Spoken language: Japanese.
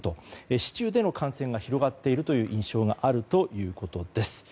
市中での感染が広がっているという印象があるということです。